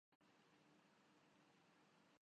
دنیا میں ہر کسی کو کسی نہ کسی شے کی ضرورت ہے